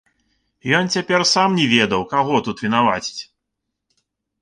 Ён цяпер сам не ведаў, каго тут вінаваціць.